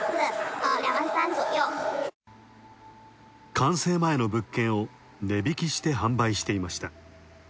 完成前の物件を値引きして販売していました。